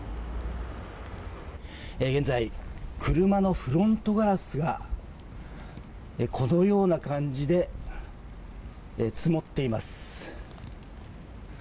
現在車のフロントガラスがこのような感じで積もっています。